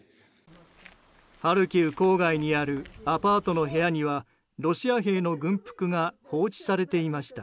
ハルキウ郊外にあるアパートの部屋にはロシア兵の軍服が放置されていました。